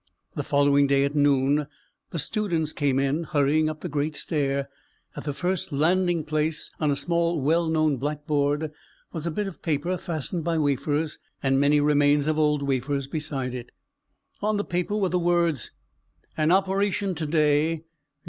The following day, at noon, the students came in, hurrying up the great stair. At the first landing place, on a small well known blackboard, was a bit of paper fastened by wafers, and many remains of old wafers beside it. On the paper were the words "An operation to day.